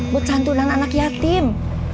buat santunan anak yatim